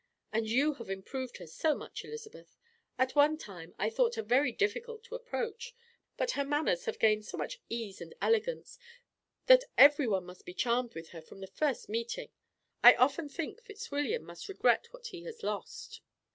And you have improved her so much, Elizabeth. At one time I thought her very difficult to approach; but her manners have gained so much ease and elegance that everyone must be charmed with her from the first meeting. I often think Fitzwilliam must regret what he has lost."